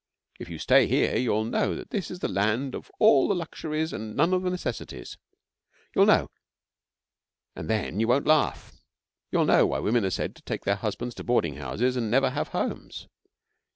If you stay here you'll know that this is the land of all the luxuries and none of the necessities. You'll know and then you won't laugh. You'll know why women are said to take their husbands to boarding houses and never have homes.